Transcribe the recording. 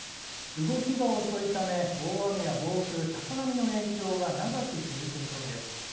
動きが遅いため大雨や暴風、高波の影響が長く続く見込みです。